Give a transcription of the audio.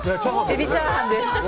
エビチャーハンです。